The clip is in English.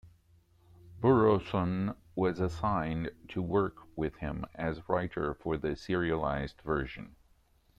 Buronson was assigned to work with him as writer for the serialized version.